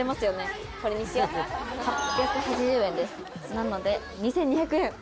なので２２００円。